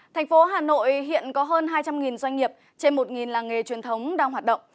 thành phố hà nội hiện có hơn hai trăm linh doanh nghiệp trên một làng nghề truyền thống đang hoạt động